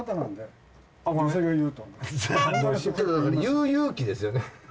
言う勇気ですよね。